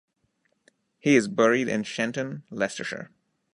He is buried in Shenton, Leicestershire.